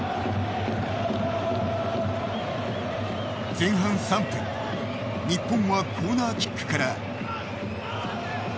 前半３分日本はコーナーキックから。